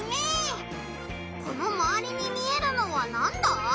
このまわりに見えるのはなんだ？